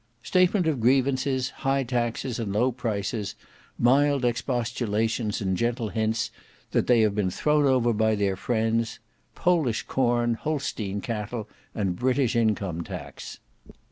"Statement of grievances; high taxes and low prices; mild expostulations and gentle hints that they have been thrown over by their friends; Polish corn, Holstein cattle, and British income tax."